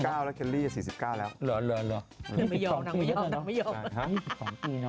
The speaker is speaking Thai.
เคลร์รี่อายุ๔๘แล้วนายอยู่๒๗